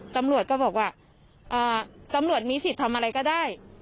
ตำรวจก็บอกว่าตำรวจมีสิทธิ์ทำอะไรก็ได้